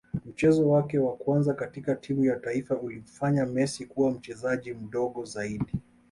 Mchezo wake wa kwanza katika timu ya taifa ulimfanya Messi kuwa mchezaji mdogo zaidi